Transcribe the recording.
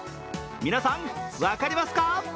皆さん、分かりますか？